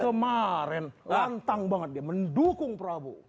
kemarin lantang banget dia mendukung prabowo